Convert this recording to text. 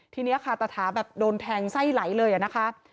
ทีนี้ค่ะตาถาแบบโดนแทงไส้ไหลเลยนะคะ